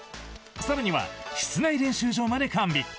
さらには室内練習場まで完備。